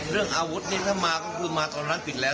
เรื่องอาวุธนี่ถ้ามาก็คือมาตอนนั้นปิดแล้ว